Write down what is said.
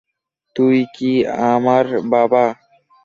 তুই কি আমার বাবা?